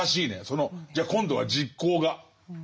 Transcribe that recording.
そのじゃあ今度は実行が。